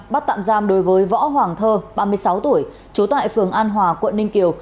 bắt tạm giam đối với võ hoàng thơ ba mươi sáu tuổi trú tại phường an hòa quận ninh kiều